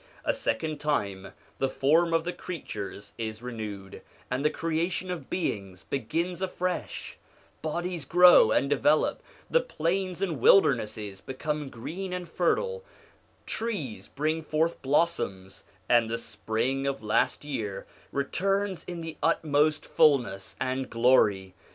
A second time the form of the creatures is renewed, and the creation of beings begins afresh; bodies grow and develop, the plains and wildernesses become green and fertile, trees bring forth blossoms, and the spring of last year returns in the utmost fulness and glory.